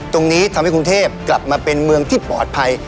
ตรงนี้ทำให้กรุงเทพกลับมาเป็นเมืองที่ปลอดภัย